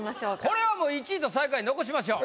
これはもう１位と最下位残しましょう。